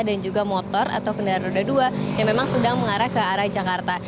dan juga motor atau kendaraan roda dua yang memang sedang mengarah ke arah jakarta